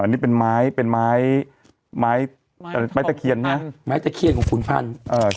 นี่เป็นไม้เป็นไม้ไม้ไม้ตะเคียนน่ะไม้ตะเคียนของขุนพันธุ์เออ